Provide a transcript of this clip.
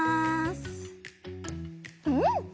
うん！